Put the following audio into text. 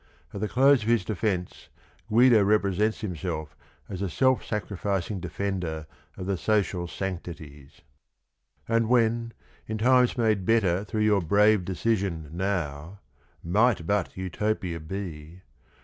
At the close of his defence Guido represents himself as a self sacrificing defender of the social sanctities : "And when, in times made better through your brave Decision now, — might but Utopia be